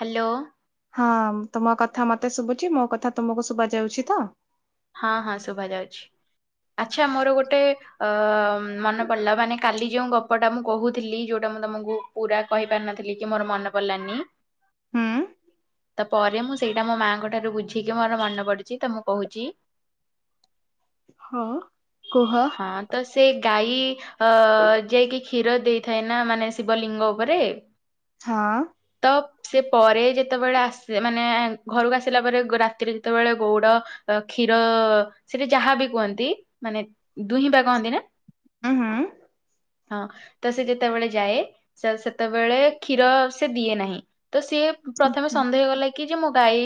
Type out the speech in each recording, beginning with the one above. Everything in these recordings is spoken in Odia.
ହ୍ୟାଲୋ। ହଁ ତମ କଥା ମତେ ଶୁବୁଚି। ମୋ କଥା ତୁମକୁ ଶୁବା ଯାଉଛି ତ? ହଁ ହଁ ଶୁଭା ଯାଉଛି। ଆଚ୍ଛା ମୋର ଗୋଟେ ଅ ମନେ ପଡିଲା ମାନେ କାଲି ଯେଉଁ ଗପଟା ମୁଁ କହୁଥିଲି ଯୋଉଟା ମୁଁ ତମକୁ ପୁରା କହି ପାରି ନଥିଲି କି ମୋର ମନେ ପଡିଲାନି ହୁଁ। ତ ପରେ ମୁଁ ସେଇଟା ମୋ ମାଆଙ୍କ ଠାରୁ ବୁଝିକି ମୋର ମନେ ପଡିଚି ତ ମୁଁ କହୁଚି। ହଁ କୁହ। ହଁ ତ ସେ ଗାଈ ଅ ଯାଇକି କ୍ଷୀର ଦେଇଥାଏ ନା ମାନେ ଶିବଲିଙ୍ଗ ଉପରେ। ହଁ। ତ ସେ ପରେ ଯେତେବେଳେ ଆସେ ମାନେ ଘରକୁ ଆସିଲା ପରେ ରାତିରେ ଯେତେବେଳେ ଗୋଉଡ କ୍ଷୀର ସେଟି ଯାହା ବି କୁହନ୍ତି ମାନେ ଦୁହିଁବା କହନ୍ତି ନା? ହୁଁ, ହୁଁ। ହଁ ତ ସେ ଯେତେବେଳେ ଯାଏ ସେ ସେତେବେଳେ କ୍ଷୀର ସେ ଦିଏ ନାହିଁ। ତ ସିଏ ପ୍ରଥମେ ହୁଁ। ସନ୍ଦେହ କଲା କି ଯେ ମୋ ଗାଈ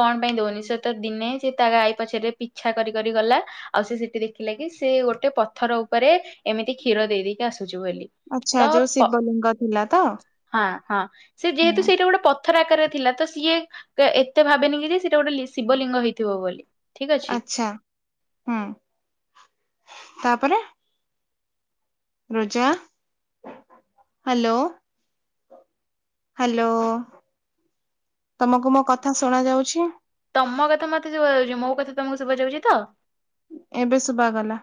କଣ ପାଇଁ ଦଉନି ସେ ତ ଦିନେ ସେ ତା ଗାଈ ପଛରେ ପିଛା କରି କରି ଗଲା। ଆଉ ସେ ସେଠି ଦେଖିଲା କିି ସେ ଗୋଟେ ପଥର ଉପରେ ଏମିତି କ୍ଷୀର ଦେଇ ଦେଇେଇକି ଆସୁଚି ବୋଲି। ତ ଆଚ୍ଛା ଯୋଉ ପ ଶିବଲିଙ୍ଗ ଥିଲା ତ? ହଁ ହଁ ସେ ଯେହେତୁ ହୁଁ ସେଇଟା ଗୋଟେ ପ ଥର ଆକାରର ଥିଲା ତ ସିଏ ଏତେ ଭାବେନି କି ଯେ ସେଟା ଗୋଟେ ଲ ଶିବଲିଙ୍ଗ ହେଇଥିବ ବୋଲି। ଠିକ ଅଛି ଆଛା ହୁଁ ତାପରେ? ରୋଜା ହ୍ୟାଲୋ। ହ୍ୟାଲୋ। ତମକୁ ମୋ କଥା ଶୁଣ ଯାଉଛି? ତମ କଥା ମତେ ଶୁଭା ଯାଉଚି। ମୋ କଥା ତମକୁ ଶୁଭା ଯାଉଛି ତ? ଏବେ ଶୁବା ଗଲା।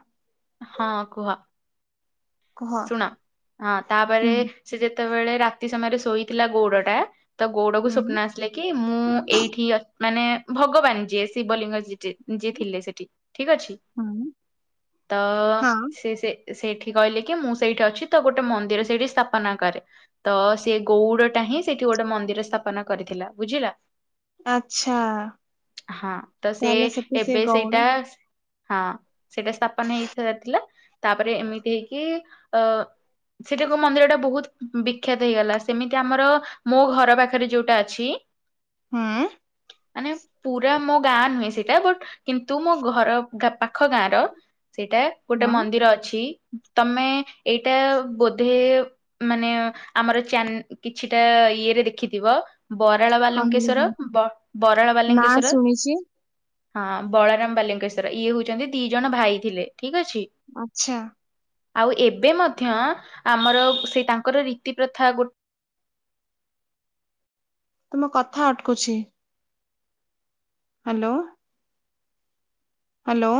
ହଁ କୁହ କୁହ। ଶୁଣ ହଁ ହୁଁ ତାପରେ ସେ ଯେତେବେଳେ ରାତି ସମୟରେ ଶୋଇଥିଲା ଗୋଉଡ ଟା ତ ଗୋଉଡକୁ ହୁଁ ସ୍ୱପ୍ନ ଆ ସିଲା କି ମୁଁ ଏଇଠି ଅ ମାନେ ଭଗବାନ ଯିଏ ଶିବଲିଙ୍ଗି ଯିଏ ଯିଏ ଥିଲେ ସେଠି। ଠିକ ଅଛି? ହୁଁ। ତ ହଁ ସିଏ ସେ ସେଇଠି କହିଲେ କି ମୁଁ ସେଇଠି ଅଛି ତ ଗୋଟେ ମନ୍ଦିର ସେଇଠି ସ୍ଥାପନା କରେ। ତ ସେ ଗଉଡ ଟା ହିଁ ସେଠି ଗୋଟେ ମନ୍ଦିର ସ୍ଥାପନ କରିଥିଲା। ବୁଝିହେଲା? ଆଚ୍ଛା ହଁ ତ ସେ ତାହେଲେ ସେଠି ସେ ଏବେ ଗଉଡ ସେଇଟା ହଁ ସେଇଟା ସ୍ଥାପନ ହେଇ ଥ ଥିଲା ତାପରେ ଏମିତି ହେଇକି ଅ ସେଟାକୁ ମନ୍ଦିର ଟା ବହୁତ ବିଖ୍ୟାତ ହେଇଗଲା ସେମିତି ଆମର ମୋ ଘର ପାଖରେ ଯୋଉଟା ଅଛି ହୁଁ। ମାନେ ପୁରା ମୋ ଗାଁ ନୁହେଁ ସେଇଟା ବଟ କିନ୍ତୁ ମୋ ଘର ତା ପାଖ ଗାଁ ର। ସେଇଟା ଗୋଟେ ହଁ ମନ୍ଦିର ଅଛି ତମେ ଏଇଟା ବୋଧେ ମାନେ ଆମର ଚାନ୍ କିଛିଟା ଇଏରେ ଦେଖିଥିବ। ବରାଳ କହିଲେ କି? ବାଲୁଙ୍କେଶ୍ଵର ବ ବରାଳ ନା ବାଲୁଙ୍କେଶ୍ଵର। ଶୁଣିଛି ହଁ ବଳରାମ ବାଲିଙ୍କେଶ୍ଵର ଇଏ ହଉଚନ୍ତି ଦି ଜଣ ଭାଇ ଥିଲେ। ଠିକ ଅଛି? ଆଚ୍ଛା। ଆଉ ଏବେ ମଧ୍ୟ ଆମର ସେଇ ତାଙ୍କର ରୀତି ପ୍ରଥା ଗୋଟ୍ ତୁମ କଥା ଅଟକୁଛି। Hello. Hello.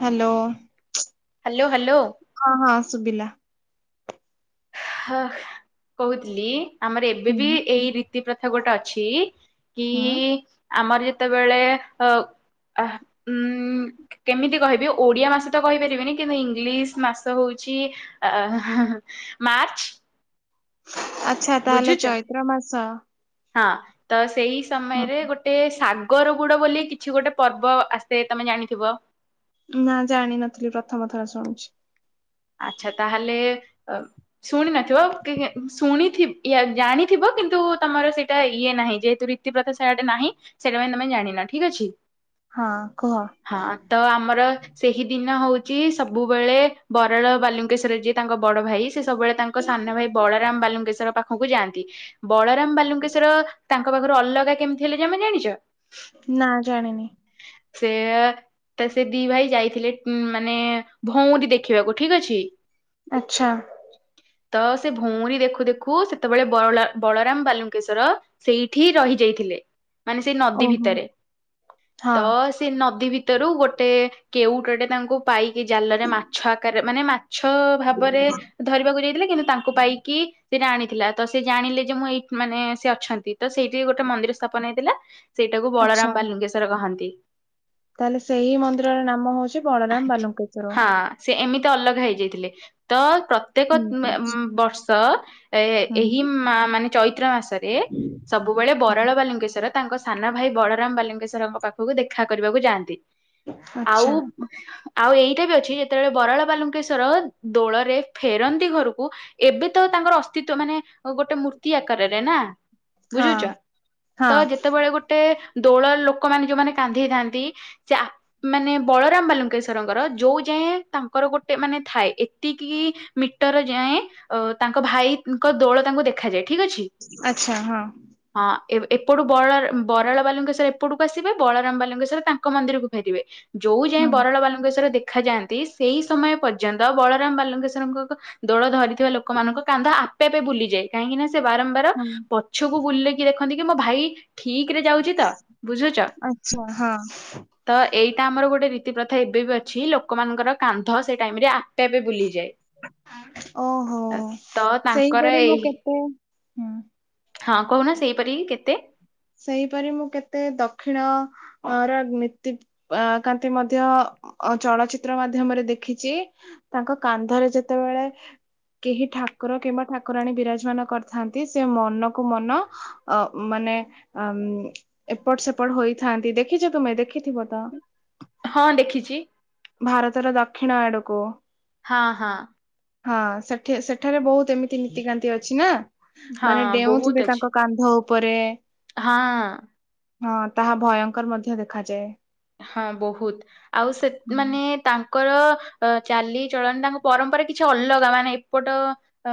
Hello. Hello hello. ହଁ ହଁ ଶୁଭିଲା। ହ କହୁଥିଲି ଆମର ଏବେ ହୁଁ ବି ଏଇ ରୀତି ପ୍ରଥା ଗୋଟେ ଅଛି କି ହୁଁ ଆମର ଯେତେବେଳେ ଅ ଅଃ ଉଁ କେମିତି କହିବି ଓଡିଆ ମାସ ତ କହିପାରିବିନି କିନ୍ତୁ ଇଂଲିଶ ମାସ ହଉଛି ଅ ହଁ ହଁ ମାର୍ଚ୍ଚ। ଆଚ୍ଛା ତାହେଲେ ବୁଝୁଛ ଚୈତ୍ର ମାସ। ହଁ ତ ସେଇ ହୁଁ, ସମୟରେ ଗୋ ଟେ ସାଗର ଗୁଡ ବୋଲି କିଛି ଗୋଟେ ପର୍ବ ଆସେ ତମେ ଜାଣିଥିବ। ନା ଜାଣିନଥିଲି ପ୍ରଥମ ଥର ଶୁଣୁଛି। ଆଚ୍ଛା ତାହେଲେ ଅ ଶୁଣି ନଥିବ କି ଶୁଣି ଥି ୟା ଜାଣିଥିବ କିନ୍ତୁ ତମର ସେଇଟା ଇଏ ନାହିଁ ଯେହେତୁ ରି ରୀତି ପ୍ରଥା ସେଆଡେ ନାହିଁ ସେଇଥିପାଇଁ ତମେ ଜାଣିନ ଠିକ୍ ଅଛି। ହଁ କୁହ। ହଁ ତ ଆମର ସେହି ଦିନ ହଉଚି ସବୁବେଳେ ବରାଳ ବାଲୁଙ୍କ୍ କେଶରେ ଯିଏ ତାଙ୍କ ବଡ଼ ଭାଇ ସେ ସବୁବେଳେ ତାଙ୍କ ସାନ ଭାଇ ବଳରାମ ବାଲୁଙ୍କେଶ୍ୱର ପାଖକୁ ଯାଆନ୍ତି। ବଳରାମ ବାଲୁଙ୍କେଶ୍ବର ତାଙ୍କ ପାଖରୁ ଅଲଗା କେମିତି ହେଲେ ତମେ ଜାଣିଛ? ନା ଜାଣିନି। ସେ ତା ସେ ଦି ଭାଇ ଯାଇଥିଲେ ଉ ମାନେ ଭଉଁରୀ ଦେଖ୍ ଖିବାକୁ ଠିକ ଅଛି। ଆଚ୍ଛା। ତ ସେ ଭଉଁରୀ ଦେଖୁ ଦେଖୁ ସେତେବେଳେ ବରଳା ବଳରାମ ବାଲୁଙ୍କେଶ୍ୱର ସେଇଠି ରହି ଯାଇଥିଲେ ମାନେ ସେଇ ନଦୀ ଓହୋ ଭିତରେ ହଁ ତ ସେ ନଦୀ ଭିତରୁ ଗୋଟେ କେଉଟଟେ ତାଙ୍କୁ ପାଇକି ଜାଲରେ ମା କାରେ ମାନେ ମାଛ ଭାବରେ ଧରିବାକୁ ଯାଇଥିଲେ କିନ୍ତୁ ତାଙ୍କୁ ପାଇକି ସେଇଟା ଆଣିଥିଲା ତ ସେ ଜାଣିଲେ ଯେ ମୁଁ ଏଇ ମାନେ ସେ ଅଛନ୍ତି ତ ସେଇଠି ଗୋଟେ ମନ୍ଦିର ସ୍ଥାପନ ହେଇଥିଲା। ସେଇଟାକୁ ଆଚ୍ଛା ବଳରାମ ବାଲିୁଙ୍କେଶ୍ଵର କହନ୍ତି। ତାହେଲେ ସେହି ମନ୍ଦିରର ନାମ ହଉଛି ବଳରାମ ବାଲୁଙ୍କେଶ୍ଵର। ହଁ ସେ ଏମିତି ଅଲଗା ହେଇଯାଇଥିଲେ ତ ପ୍ରତ୍ୟେକ ମ ଠିକ ଅଛି ବର୍ଷ ଏ ଏହି ହୁଁ ମା ମାନେ ଚୈତ୍ର ମାସରେ ସବୁବେଳେ ବରାଳ ବାଲୁଙ୍କେଶ୍ୱର ତାଙ୍କ, ସାନା ଭାଇ ବଳରାମ ବାଲୁଙ୍ଗେଶ୍ଵରଙ୍କ ପାଖକୁ, ଦେଖା କରିବାକୁ ଯାଆନ୍ତି। ଆଉ ଆଚ୍ଛା ଆଉ ଏଇଟା ବି ଅଛି, ଯେତେବେଳେ ବରାଳ ବାଲୁକେଶ୍ଵର ଦୋଳରେ ଫେରନ୍ତି ଘରକୁ ଏବେ ତ ତାଙ୍କର ଅସ୍ତିତ୍ଵ, ମାନେ ଗୋଟେ ମୂର୍ତ୍ତି ଆକାରରେ ନା। ବୁଝୁଚ, ହଁ ତ ହଁ ଯେତେବେଳେ ଗୋଟେ ଦୋଳ ଲୋକମାନେ, ଯୋଉମାନେ କାନ୍ଦିଥାନ୍ତି ସେ ଅପ୍, ମାନେ ବଳ ବଳରାମ ବାଲୁଙ୍କେଶ୍ୱରଙ୍କର ଯେଉଁ ଯାଏଁ ତାଙ୍କର ଗୋଟେ ମାନେ ଥାଏ। ଏତିକି ମିଟର ଯାଏଁ, ଅ ତାଙ୍କ ଭାଇଙ୍କ ଦୋଳ ତାଙ୍କୁ ଦେଖାଯାଏ। ଠିକ ଅଛି। ଆଚ୍ଛା, ହଁ। ହଁ, ଏପଟୁ ବଲାଳ ବରାଳ ବାଲୁଙ୍କେଶ୍ୱର ଏପଟକୁ ଆସିବେ। ବଳରାମ ବାଲୁଙ୍କେଶ୍ୱର ତାଙ୍କ ମନ୍ଦିରକୁ ଫେରିବେ। ଯୋଉ ଯାଏଁ ହଁ ବରଳ ବାଲୁଙ୍କେଶ୍ୱର ଦେଖ ଦେଖାଯାଆନ୍ତି। ସେହି ସମୟ ପର୍ଯ୍ୟନ୍ତ ବଳରାମ ବାଲକେଶ୍ୱରଙ୍କ କ ଦୋଳ ଧରିଥିବା ଲୋକମାନଙ୍କ କାନ୍ଧ ଆପେ ଆପେ ବୁଲିଯାଏ। କାହିଁକି ନା ସେ ବାରମ୍ବାର, ହଁ ପଛକୁ ବୁଲେଇକି ଦେଖନ୍ତି କି ମୋ ଭାଇ ଠିକ ରେ ଯାଉଛି ତ। ବୁଝୁଚ। ଆଚ୍ଛା ହଁ ତ ଏଇଟା ଆମର ଗୋଟେ ରୀତି ପ୍ରଥା ଏବେ ବି ଅଛି। ଲୋକମାନଙ୍କର, କାନ୍ଧ ସେଇ ଟାଇମ ରେ ଆପେ ଆପେ ବୁଲିଯାଏ। ଓହୋ। ତ ତାଙ୍କର ସେହିପରି ମୁଁ ଏଇ କେତେ ହଁ, କହୁନ ସେଇପରିିକି କେତେ ସେହିପରି ମୁଁ କେତେ, ଦକ୍ଷିଣ ର ନୀତି ଅ କାନ୍ତି ମଧ୍ୟ, ଚଳଚିତ୍ର ମାଧ୍ୟମରେ ଦେଖିଚି। ତାଙ୍କ କାନ୍ଧରେ ଯେତେବେଳେ କେହି ଠାକୁର କିମ୍ବା ଠାକୁରାଣୀ ବିରାଜମାନ କରିଥାନ୍ତି। ସେ ମନକୁ, ମନ ଅ ମାନେ ଏପଟ, ସେପଟ ହୋଇଥାନ୍ତି। ଦେଖିଛ ତୁମେ ଦେଖିଥିବ ତ। ହଁ, ଦେଖିଚି। ଭାରତର ଦକ୍ଷିଣ ଆଡ଼କୁ ହଁ ହଁ। ହଁ ସେଠି ସେଠାରେ ବହୁତ ସେମିତି ନୀତିକାନ୍ତି ଅଛି ନା। ମାନେ ହଁ ବହୁତ ଡେଉଁଥିବେ ଅଛି। ତାଙ୍କ କାନ୍ଧ ଉପରେ। ହଁ। ହଁ, ତାହା ଭୟଙ୍କର ମଧ୍ୟ ଦେଖାଯାଏ। ହଁ ବହୁତ୍। ଆଉ ସେ ମାନେ ତାଙ୍କ ତାଙ୍କର ଚାଲିଚଳଣି ତାଙ୍କ ପରମ୍ପରା କିଛି ଅଲଗା। ମାନେ ଏପଟ ଅ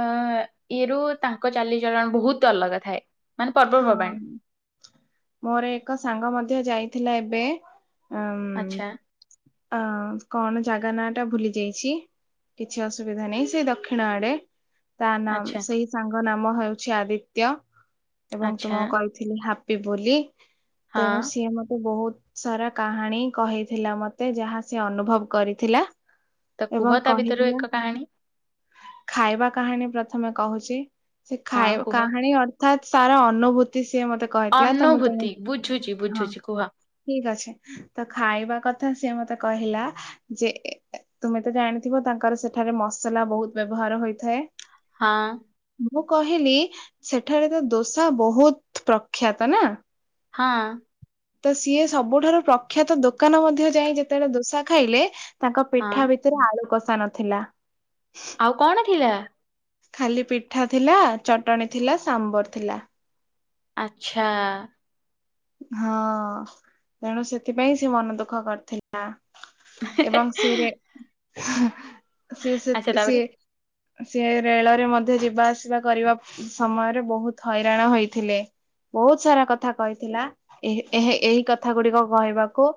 ଇଏ ରୁ ତାଙ୍କ ଚାଲିଚଳଣ ବହୁତ ଅଲଗା ଥାଏ। ମାନେ ହଁ। ପର୍ବପର୍ବାଣୀ ମୋର ଏକ ସାଙ୍ଗ ମଧ୍ୟ ଯାଇଥିଲା ଏବେ। ଉଁ ଆଚ୍ଛା। ଉଁ କଣ ଜାଗା ନାଁ ଟା ଭୁଲି ଯାଇଛି। କିଛି ଅସୁବିଧା ନାହିଁ। ସେ ଦକ୍ଷିଣ ଆଡେ ତା ନା ଆଚ୍ଛା ସେଇ ସାଙ୍ଗ ନାମ ହେଉଛି ଆଦିତ୍ୟ। ଏବଂ ଆଚ୍ଛା ତୁମକୁ କହିଥିଲି ହାପି ବୋଲି। ହଁ ତେଣୁ ସିଏ ମତେ ବହୁତ୍ ସରା କାହାଣୀ କହିଥିଲା ମତେ ଯାହା ସେ ଅନୁଭବ କରିଥିଲା। ତ କୁହ ଏବଂ ତା ଭିତରୁ କହିଥିଲା ଏକ କାହାଣୀ ଖାଇବା କାହାଣୀ ପ୍ରଥମେ କହୁଚି। ସେ ହଁ ଖାଇବା କୁହ। କାହାଣୀ ଅ ସାରା ଅନୁଭୂତି ସିଏ ମତେ ତ ମୁଁ ତମ ଅନୁଭୂତି। ବୁଝୁଚି ହଁ ବୁଝୁଚି କୁହ। ଠିକ ଅଛି। ତ ଖାଇବା କଥା ସିଏ ମତେ କହିଲା ଯେ ତୁମେ ତ ଜାଣିଥିବ ତାଙ୍କର ସେଠାରେ ମସଲା ବହୁତ ବ୍ୟବହାର ହୋଇଥାଏ। ହଁ। ମୁଁ କହିଲି ସେଠାରେ ତ ଦୋସା ବହୁତ ପ୍ରଖ୍ୟାତ ନା। ହଁ। ତ ସିଏ ସବୁଠାରୁ ପ୍ରଖ୍ୟାତ ଦୋକାନ ମଧ୍ୟ ଯାଇ ଯେତେବେଳେ ଦୋସା ଖାଇଲେ ତାଙ୍କ ହଁ। ପିଠା ଭିତରେ ଆଳୁ କଷା ନଥିଲା। ଆଉ କଣ ଥିଲା? ଖାଲି ପିଠା ଥିଲା। ଚଟଣି ଥିଲା, ସାମ୍ବର ଥିଲା। ଆଚ୍ଛା। ହଁ ତେଣୁ ସେଥିପାଇଁ ସେ ମନ ଦୁଃଖ କରିଥିଲା। ଏବଂ ସେରେ ସେ ସେ ଆଚ୍ଛା ସେ ତାପରେ ସିଏ ରେଳରେ ମଧ୍ୟ ଯିବା ଆସିବା କରିବା ସମୟରେ ବହୁତ ହଇରାଣ ହୋଇଥିଲେ। ବହୁତ ସାରା କଥା କହିଥିଲା ଏହେ ଏହେ ଏହି କଥା ଗୁଡିକ କହିବାକୁ।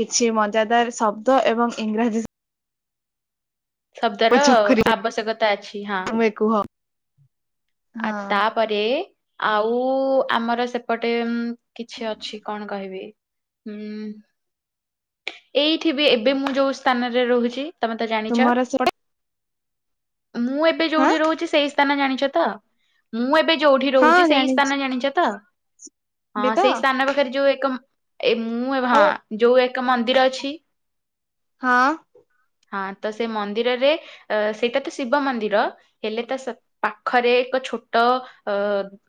କିଛି ମଜାଦାର ଶବ୍ଦ ଏବଂ ଇଂରାଜୀ ଶବ୍ଦର ଚୋଖରୀ ଆବଶ୍ୟକତା ଅଛି ହଁ। ତମେ କୁହ। ଆ ହଁ ତାପରେ ଆଉ ଆମର ସେପଟେ ଉଁ କିଛି ଅଛି କଣ କହିବି ହୁଁ ଏଇଠି ବି ଏବେ ମୁଁ ଯୋଉ ସ୍ଥାନରେ ରହୁଛି ତମେ ତ ଜାଣିଛ। ତୁମର ସେପଟେ ମୁଁ ଏବେ ହଁ ଯୋଉଠି ରହୁଛି ସେଇ ସ୍ଥାନ ଜାଣିଛ ତ? ମୁଁ ଏବେ ଯୋଉଠି ହଁ ରହୁଛି ସେଇ ଜାଣିଛି ସ୍ଥାନ ଜାଣିଛ ତ? ବି ହଁ ତ ସେଇ ସ୍ଥାନ ପାଖରେ ଯୋଉ ଏକ ଏ ମୁଁ ହଁ ଆଉ ଯୋଉ ଏକ ମନ୍ଦିର ଅଛି ହଁ। ହଁ ତ ସେ ମନ୍ଦିରରେ ସେଇଟା ତ ଶିବ ମନ୍ଦିର ହେଲେ ତ ପାଖରେ ଏକ ଛୋଟ ଅ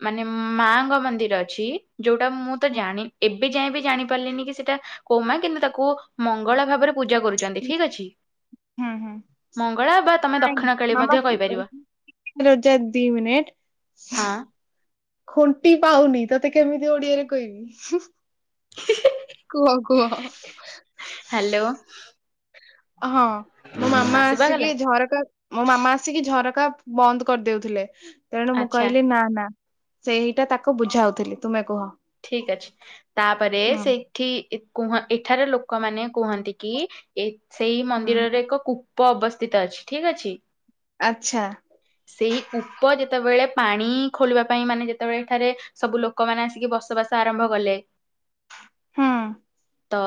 ମାନେ ମାଙ୍କ ମନ୍ଦିର ଅଛି ଯୋଉଟା ମୁଁ ତ ଜାଣି ଏବେ ଯାଏ ବି ଜାଣିପାରିଲିନି କି ସେଇଟା କୋଉ ମା କିନ୍ତୁ ତାକୁ ମଙ୍ଗଳା ଭାବରେ ପୂଜା କରୁଛନ୍ତି ଠିକ ଅଛି। ହୁଁ ହୁଁ ମଙ୍ଗଳା ବାବା, ତମେ ଦକ୍ଷିଣ କାଳୀ ମାମା ମଧ୍ୟ କହିପାରିବ। ରୋଜା ଦି ମିନିଟ୍। ହଁ ଖୁଣ୍ଟି ପାଉନି, ତତେ କେମିତି ଓଡିଆରେ କହିବି? କୁହ, କୁହ। ହ୍ୟାଲୋ। ହଁ, ମୋ ମାମା ହଁ ଆସିକି ଶୁଭାଗଲା ଝରକା ମୋ ମାମା ଆସିକି ଝରକା ବନ୍ଦ କରିଦେଉଥିଲେ, ତେଣୁ ମୁଁ ଆଚ୍ଛା କହିଲି ନା ନା ସେହିଟା ତାକୁ ବୁଝାଉଥିଲି, ତୁମେ କୁହ। ଠିକ୍ ଅଛି। ତାପରେ ହୁଁ ସେଇଠି ଇ କୁହଁ ଏଠାର ଲୋକମାନେ କୁହନ୍ତି କି ଏ ସେଇ ହୁଁ ମନ୍ଦିରରେ ଏକ କୂପ ଅବସ୍ଥିତ ଅଛି, ଠିକ ଅଛି। ଆଚ୍ଛା। ସେହି କୂପ ଯେତେବେଳେ ପାଣି ଖୋଳିବା ପାଇଁ ମାନେ ଯେତେବେଳେ ଏଠାରେ ସବୁ ଲୋକମାନେ ଆସିକି ବସବାସ ଆରମ୍ଭ କଲେ ହୁଁ। ତ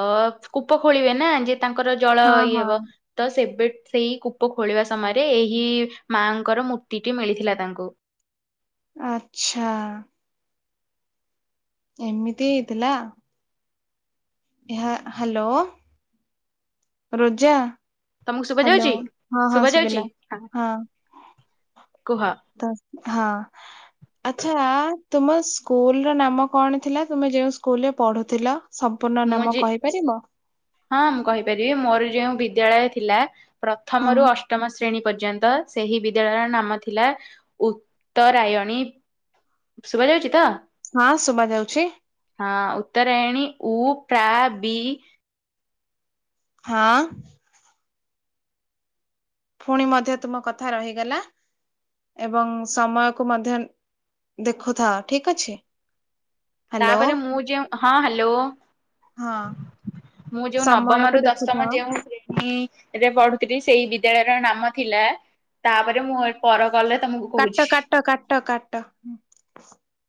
କୂପ ଖୋଳିବେ ନା, ଯେ ତାଙ୍କର ଜଳ ହଁ ଇଏ ହଁ ହବ। ତ ସେବେ ସେଇ କୂପ ଖୋଳିବା ସମୟରେ, ଏହି ମାଆଙ୍କର ମୂର୍ତ୍ତିଟି ମିଳିଥିଲା ତାଙ୍କୁ। ଆଚ୍ଛା। ଏମିତି ହେଇଥିଲା? ଏହା, ହ୍ୟାଲୋ। ରୋଜା ତମକୁ ଶୁଭା ହ୍ୟାଲୋ, ଯାଉଛି? ହଁ ହଁ, ଶୁଭା ଯାଉଛି ଶୁଭିଲା ହଁ। କୁହ ତ ହଁ। ଆଚ୍ଛା, ତୁମ ସ୍କୁଲର ନାମ କଣ ଥିଲା, ତୁମେ ଯେଉଁ ସ୍କୁଲରେ ପଢୁଥିଲ? ସମ୍ପୂର୍ଣ୍ଣ ମୁଁ ନାମ ଯେ କହିପାରିବ? ହଁ, ମୁଁ କହିପାରିବି। ମୋର ଯୋଉ ବିଦ୍ୟାଳୟ ଥିଲା, ହୁଁ ପ୍ରଥମରୁୁ ଅଷ୍ଟମ ଶ୍ରେ ଶ୍ରେଣୀ ପର୍ଯ୍ୟନ୍ତ, ସେହି ବିଦ୍ୟାଳୟର ନାମ ଥିଲା, ଉତ୍ତରାୟଣୀ ଶୁଭାଯାଉଛି ତ? ହଁ, ଶୁଭାଯାଉଛି। ହଁ, ଉତ୍ତରାୟଣୀ ଉ ପ୍ରା ବି ହଁ। ଫୁଣି ମଧ୍ୟ ତୁମ କଥା ରହିଗଲା। ଏବଂ ସମୟକୁ ମଧ୍ୟ ଦେଖୁଥାଅ, ଠିକ ଅଛି। ହ୍ୟାଲୋ ତାପରେ ମୁଁ ଯେଉଁ, ହଁ ହ୍ୟାଲୋ। ହଁ ମୁଁ ଯେଉଁ ନବମରୁ ସମୟକୁ ଦଶମ ଦେଖୁଥାଅ ଯେଉଁ ଉମ୍ ରେ ପଢୁଥିଲି, ସେଇ ବିଦ୍ୟାଳୟର ନାମ ଥିଲା ତାପରେ ମୁଁ ଏଇ ପର କଲେ ତମକୁ କାଟ, କହୁଛି। କାଟ, କାଟ୍